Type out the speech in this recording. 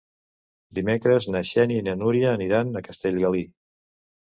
Dimecres na Xènia i na Núria aniran a Castellgalí.